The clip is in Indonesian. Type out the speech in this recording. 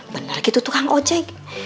bener gitu tuh kang ojek